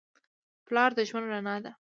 پلار د ژوند رڼا ده.